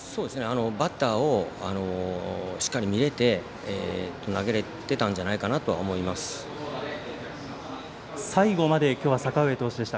バッターをしっかり見て投げれてたんじゃないかなと最後まで今日は阪上投手でした。